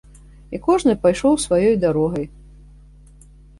І кожны пайшоў сваёй дарогай.